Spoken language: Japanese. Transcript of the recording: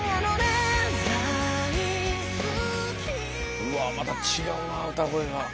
うわまた違うな歌声が。